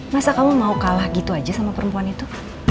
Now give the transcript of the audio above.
masa kamu mau kalah gitu aja sama perempuan itu